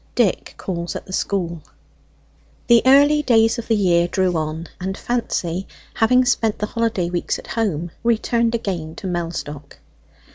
DICK CALLS AT THE SCHOOL The early days of the year drew on, and Fancy, having spent the holiday weeks at home, returned again to Mellstock.